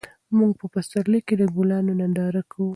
موږ په پسرلي کې د ګلانو ننداره کوو.